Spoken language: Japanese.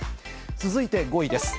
続いて５位です。